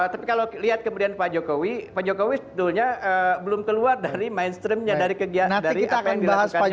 tapi kalau lihat kemudian pak jokowi pak jokowi sebetulnya belum keluar dari mainstreamnya dari kegiatan apa yang dilakukan di dua ribu empat belas